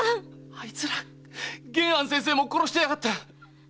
あいつら玄庵先生も殺してやがった！